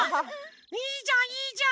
いいじゃんいいじゃん！